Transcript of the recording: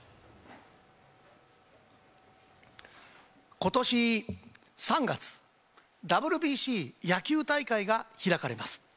今年３月、ＷＢＣ野球大会が開かれます。